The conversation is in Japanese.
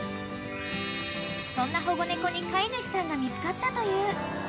［そんな保護猫に飼い主さんが見つかったという］